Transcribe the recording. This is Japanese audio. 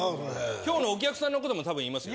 今日のお客さんのことも多分言いますよ